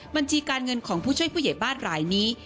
บัญชีการเงินของผู้ช่วยผู้ใหญ่บ้านรายนี้